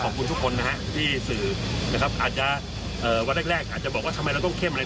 ขอบคุณทุกคนนะฮะที่สื่อนะครับอาจจะเอ่อวันแรกแรกอาจจะบอกว่าทำไมเราต้องเข้มอะไร